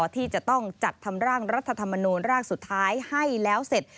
ที่จะต้องจัดทำร่างรัฐธรรมนูญร่างสุดท้ายให้แล้วเสร็จ